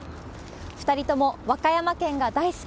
２人とも和歌山県が大好き。